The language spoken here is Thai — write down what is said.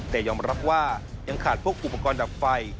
แต่ยอมรับว่ายังขาดพวกอุปกรณ์ดับไฟ